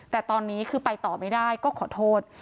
แต่ตอนนี้คือไปต่อไม่ได้ก็ขอโทษ